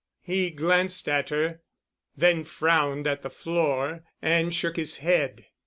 He glanced at her, then frowned at the floor and shook his head.